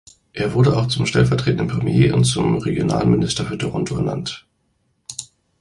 Er wurde auch zum stellv. Premier und zum Regionalminister für Toronto ernannt.